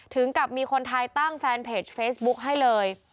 ถึงกับมีคนไทยตั้งแฟนเพจเฟซบุ๊คให้เลย